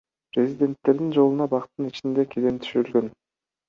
Президенттердин жолуна бактын ичинде килем төшөлгөн.